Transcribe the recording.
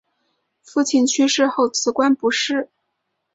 父亲去世后辞官不仕。